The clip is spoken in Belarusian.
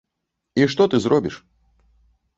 І што ты зробіш?